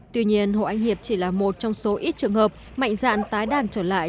tuy nhiên hộ anh hiệp chỉ là một trong số ít trường hợp mạnh dạn tái đàn trở lại